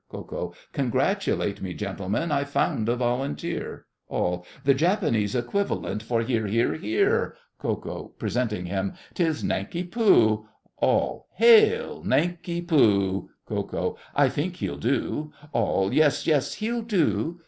KO. Congratulate me, gentlemen, I've found a Volunteer! ALL. The Japanese equivalent for Hear, Hear, Hear! KO. (presenting him). 'Tis Nanki Poo! ALL. Hail, Nanki Poo! KO. I think he'll do? ALL. Yes, yes, he'll do!